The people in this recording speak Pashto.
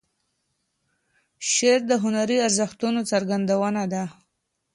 شعر د هنري ارزښتونو څرګندونه ده.